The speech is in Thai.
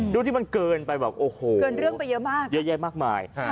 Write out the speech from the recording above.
ที่มันเกินไปแบบโอ้โหเกินเรื่องไปเยอะมากเยอะแยะมากมาย